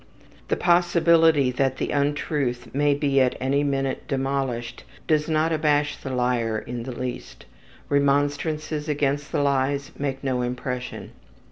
The possibility that the untruth may be at any minute demolished does not abash the liar in the least. Remonstrances against the lies make no impression.